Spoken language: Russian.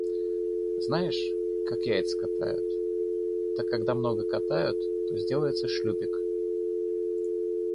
Знаешь, как яйца катают, так когда много катают, то сделается шлюпик.